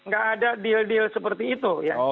gak ada deal deal seperti itu ya